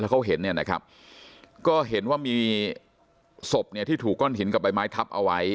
เขาเห็นเนี่ยนะครับก็เห็นว่ามีศพเนี่ยที่ถูกก้อนหินกับใบไม้ทับเอาไว้